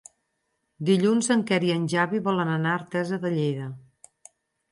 Dilluns en Quer i en Xavi volen anar a Artesa de Lleida.